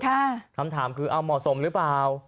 คำถามคือเอาเหมาะสมหรือเปล่า